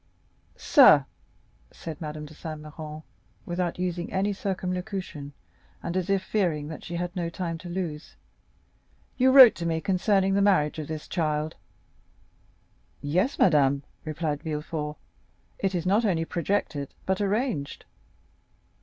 "Sir," said Madame de Saint Méran, without using any circumlocution, and as if fearing she had no time to lose, "you wrote to me concerning the marriage of this child?" "Yes, madame," replied Villefort, "it is not only projected but arranged."